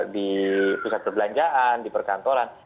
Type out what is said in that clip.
di pusat perbelanjaan di perkantoran